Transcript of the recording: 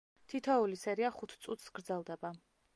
თითოეული სერია ხუთ წუთს გრძელდება.